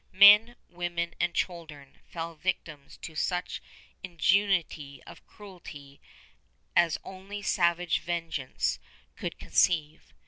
Men, women, and children fell victims to such ingenuity of cruelty as only savage vengeance could conceive.